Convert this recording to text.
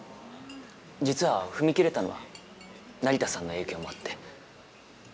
実は踏み切れたのは成田さんの影響もあって。